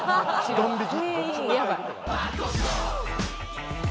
ドン引き。